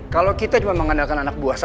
kalau kita cuma mengandalkan anak buah